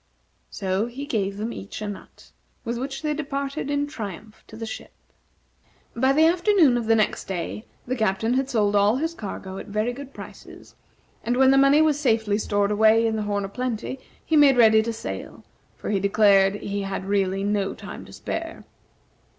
So he gave them each a nut, with which they departed in triumph to the ship. By the afternoon of the next day, the Captain had sold all his cargo at very good prices; and when the money was safely stored away in the "Horn o' Plenty," he made ready to sail, for he declared he had really no time to spare.